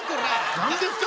何ですか？